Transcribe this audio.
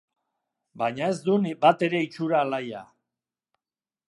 Baina ez dun batere itxura alaia.